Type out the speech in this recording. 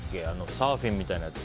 サーフィンみたいなやつ。